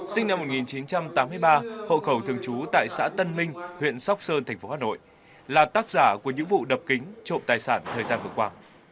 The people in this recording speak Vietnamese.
sinh năm một nghìn chín trăm tám mươi ba hộ khẩu thường trú tại xã tân minh huyện sóc sơn thành phố hà nội là tác giả của những vụ đập kính trộm tài sản thời gian vừa qua